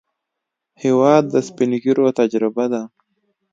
هېواد د سپینږیرو تجربه ده.